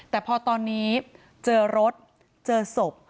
แต่พอตอนนี้เจอรถเจอศพ